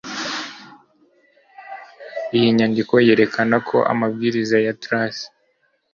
iyi nyandiko yerekana ko amabwiriza ya trac